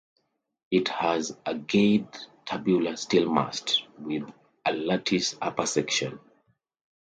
It has a guyed tubular steel mast, with a lattice upper section.